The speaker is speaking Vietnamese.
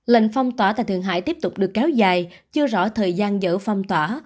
lệnh phong tỏa tại thường hải tiếp tục được kéo dài chưa rõ thời gian dỡ phong tỏa